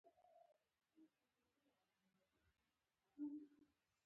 که ناوړه خبره وشوه، بښنه پکار ده